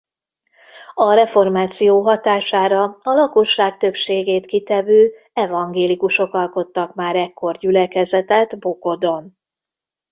A reformáció hatására a lakosság többségét kitevő evangélikusok alkottak már ekkor gyülekezetet Bokodon.